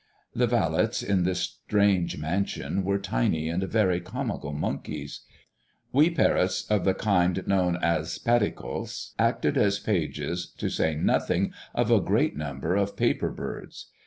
The valets in this strange mansion were tiny and very comical monkeys. Wee parrots of the kind known as perricos acted as pages, to say nothing of a great number of paper birds.